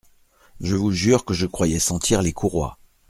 Je vous jure que je croyais sentir les courroies.